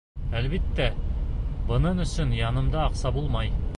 Әлбиттә, бының өсөн янымда аҡса булмай.